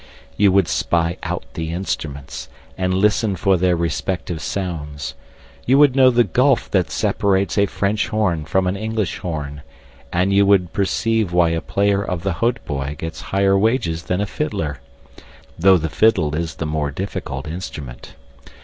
You would spy out the instruments, and listen for their respective sounds. You would know the gulf that separates a French horn from an English horn, and you would perceive why a player of the hautboy gets higher wages than a fiddler, though the fiddle is the more difficult instrument.